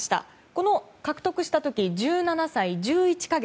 この獲得した時１７歳１１か月。